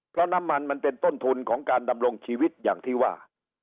เพราะน้ำมันมันเป็นต้นทุนของการดำรงชีวิตอย่างที่ว่า